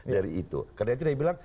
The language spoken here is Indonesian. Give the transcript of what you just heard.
dari itu karena itu dia bilang